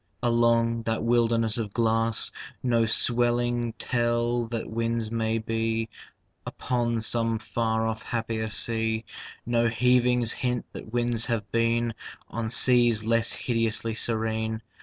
Along that wilderness of glass, No swellings tell that winds may be Upon some far off happier sea, No heavings hint that winds have been On seas less hideously serene.